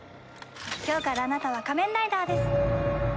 今日からあなたは仮面ライダーです。